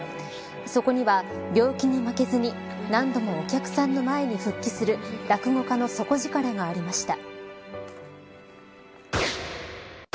そこには、病気に負けずに何度もお客さんの前に復帰する落語家の底力がありました。